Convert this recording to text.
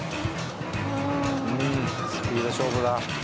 スピード勝負だ。